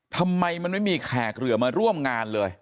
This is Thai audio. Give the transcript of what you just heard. ทำไมมันไม่มีแขกเรือมาร่วมงานเลย